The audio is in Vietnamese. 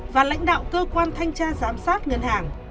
và lãnh đạo cơ quan thanh tra giám sát ngân hàng